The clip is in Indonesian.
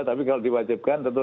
tapi kalau diwajibkan tentu